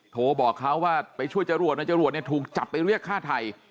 โทรบอกเขาว่าไปช่วยจรวดนายจรวดเนี่ยถูกจับไปเรียกฆ่าไทย